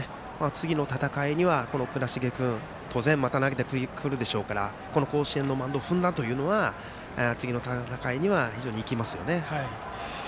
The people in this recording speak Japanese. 次の戦いには倉重君も当然また投げてくるでしょうからこの甲子園のマウンドを踏んだということは次の戦いに生きますよね。